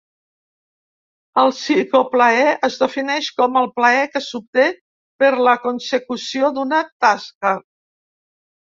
El psicoplaer es defineix com el plaer que s'obté per la consecució d'una tasca.